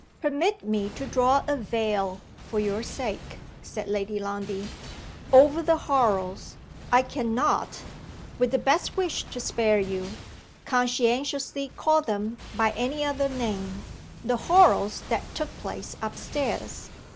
"Permit me to draw a veil, for your sake," said Lady Lundie, "over the horrors I can not, with the best wish to spare you, conscientiously call them by any other name the horrors that took place up stairs.